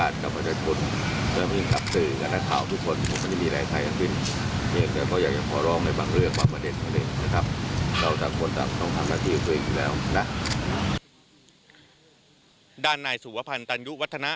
ด้านนายสุวพันธ์ตันยุวัฒนะ